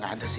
gak ada sih